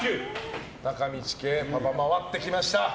中道家パパ、回ってきました。